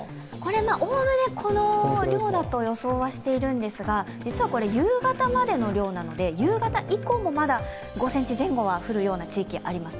多めで、この量だと予想しているんてずが、実はこれ、夕方までの量なので夕方以降もまだ５ｃｍ前後は降るような地域、ありますね。